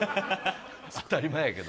当たり前やけど。